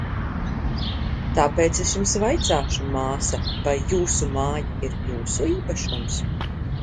Tāpēc es jums vaicāšu, māsa, vai jūsu māja ir jūsu īpašums?